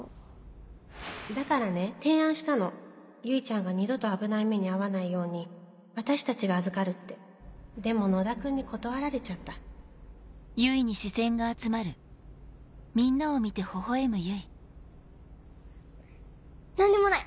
だからね提案したの唯ちゃんが二度と危ない目に遭わないように私たちが預かるってでも野田君に断られちゃった何でもない。